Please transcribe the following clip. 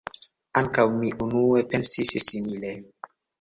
Ankaŭ mi unue pensis simile.